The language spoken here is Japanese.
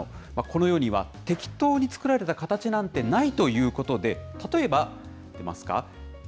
この世には適当に作られた形なんてないということで、例えば出ますか？